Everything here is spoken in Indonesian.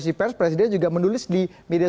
saya ini dua ribu empat siapa sih yang kenal saya